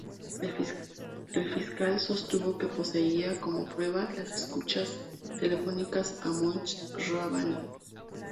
El fiscal sostuvo que poseía, como prueba, las escuchas telefónicas a Mohsen Rabbani.